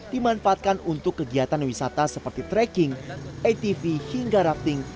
dimanfaatkan untuk kegiatan wisata seperti trekking atv hingga rafting